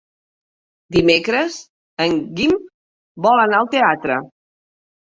Dimecres en Guim vol anar al teatre.